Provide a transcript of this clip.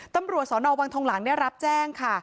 ตำรวจสนวังทองหลังได้รับแจ้งค่ะ